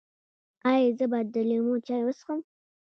ایا زه باید د لیمو چای وڅښم؟